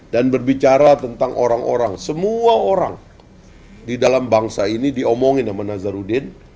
dan berbicara tentang orang orang semua orang di dalam bangsa ini diomongin sama nazaruddin